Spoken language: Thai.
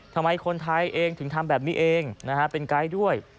ทำไมคนไทยเองทำแบบนี้เองเป็นไกด้วย